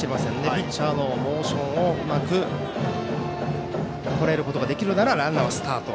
ピッチャーのモーションをうまくとらえることができるならランナーはスタート。